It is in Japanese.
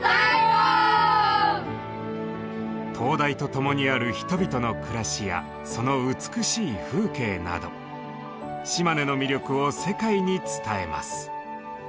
灯台とともにある人々の暮らしやその美しい風景など島根の魅力を世界に伝えます。